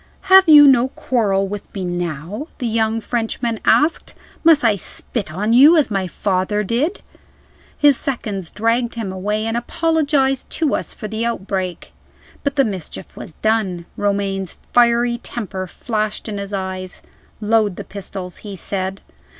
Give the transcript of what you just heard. "Have you no quarrel with me now?" the young Frenchman asked. "Must I spit on you, as my father did?" His seconds dragged him away, and apologized to us for the outbreak. But the mischief was done. Romayne's fiery temper flashed in his eyes. "Load the pistols," he said.